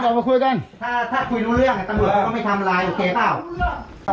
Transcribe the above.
ถ้าคุยรู้เรื่องตำรวจเขาไม่ทำร้ายโอเคเปล่า